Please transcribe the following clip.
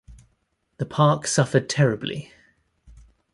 The park suffered terribly.